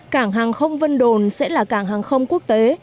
cảng hàng không vân đồn sẽ là cảng hàng không quốc tế